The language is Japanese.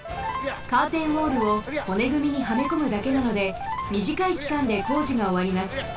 カーテンウォールをほねぐみにはめこむだけなのでみじかいきかんで工事がおわります。